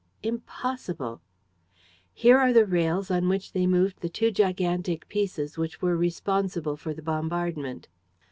"Impossible." "Here are the rails on which they moved the two gigantic pieces which were responsible for the bombardment."